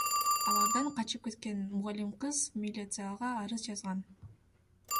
Алардан качып кеткен мугалим кыз милицияга арыз жазган.